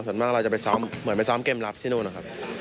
ส่วนมากเราจะไปซ้อมเหมือนไปซ้อมเกมรับที่นู่นนะครับ